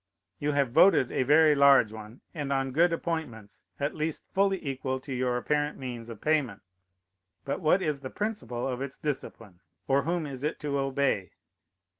You have voted a very large one, and on good appointments, at least fully equal to your apparent means of payment. But what is the principle of its discipline? or whom is it to obey?